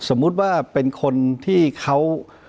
สมมุติว่าเป็นคนที่เขา